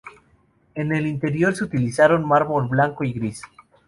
En el interior se utilizaron mármol blanco y gris.